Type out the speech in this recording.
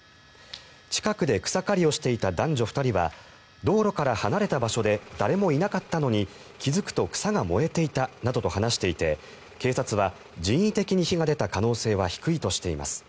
近くで草刈りをしていた男女２人は道路から離れた場所で誰もいなかったのに気付くと草が燃えていたなどと話していて警察は人為的に火が出た可能性は低いとしています。